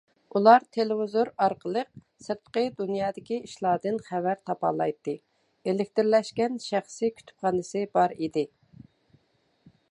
ئۇلار تېلېۋىزور ئارقىلىق سىرتقى دۇنيادىكى ئىشلاردىن خەۋەر تاپالايتتى ئېلېكترلەشكەن شەخسىي كۇتۇپخانىسى بار ئىدى.